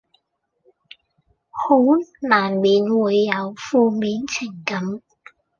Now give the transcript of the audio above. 好難免會有負面情感